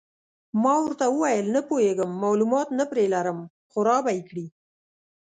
ما ورته وویل: نه پوهېږم، معلومات نه پرې لرم، خو را به یې کړي.